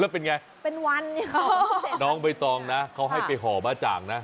แล้วเป็นไงเป็นวันน้องใบตองนะเขาให้ไปห่อบ้าจ่างนะ